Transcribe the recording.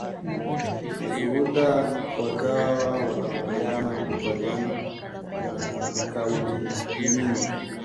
Mashuhuda wakawa wananong’onezana kukubaliana na Kaulinyingi